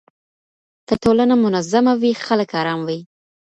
که ټولنه منظمه وي خلګ آرام وي.